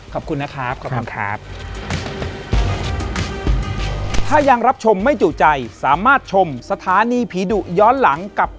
ขอบคุณนะครับ